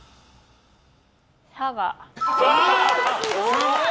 すごい！